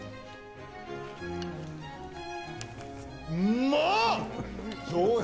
うまっ。